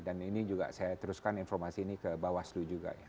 dan ini juga saya teruskan informasi ini ke bawah slu juga ya